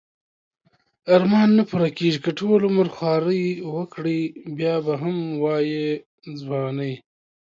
ارمان نه پوره کیږی که ټول عمر خواری وکړی بیا به هم وایی ځوانی